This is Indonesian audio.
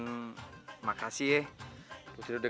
eh dan satu lagi